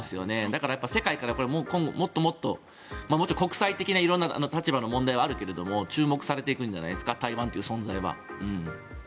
だから、世界からもっともっともちろん国際的な立場の問題はあるけど注目されていくんじゃないですか台湾という存在は。